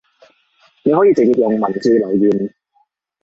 你可以直接用文字留言